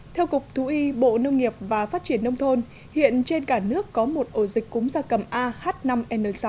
theo cục thú y bộ nông nghiệp và phát triển nông thôn hiện trên cả nước có một ổ dịch cúm gia cầm ah năm n sáu